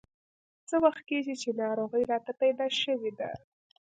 څه وخت کېږي چې ناروغي راته پیدا شوې ده.